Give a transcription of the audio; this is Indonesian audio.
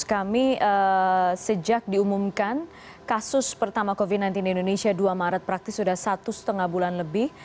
kami sejak diumumkan kasus pertama covid sembilan belas di indonesia dua maret praktis sudah satu setengah bulan lebih